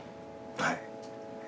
はい。